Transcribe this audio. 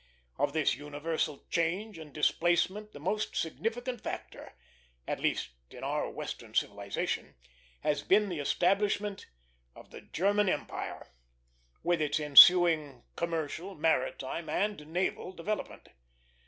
Of this universal change and displacement the most significant factor at least in our Western civilization has been the establishment of the German Empire, with its ensuing commercial, maritime, and naval development.